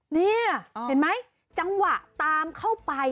นี่เห็นไหมจังหวะตามเข้าไป